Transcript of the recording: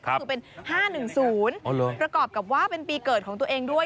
ก็คือเป็น๕๑๐ประกอบกับว่าเป็นปีเกิดของตัวเองด้วย